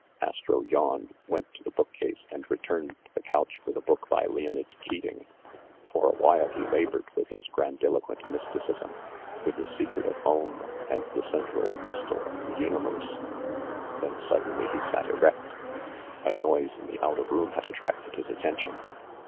Astro yawned, went to the bookcase, and returned to the couch with a book by Leonide Keating. For a while he labored with his grandiloquent mysticism, with the secret of Om and the central crystal of the universe; then suddenly he sat erect. A noise in the outer room had attracted his attention.